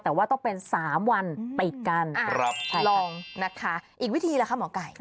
แต่ว่าต้องเป็นสามวันติดกันอีกวิธีแล้วค่ะหมอไก่